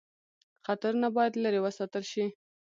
خطرونه باید لیري وساتل شي.